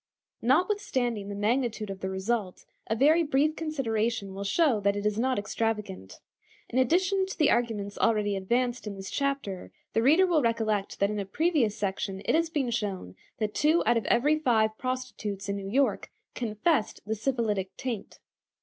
Notwithstanding the magnitude of the result, a very brief consideration will show that it is not extravagant. In addition to the arguments already advanced in this chapter, the reader will recollect that in a previous section it has been shown that two out of every five prostitutes in New York confessed the syphilitic taint.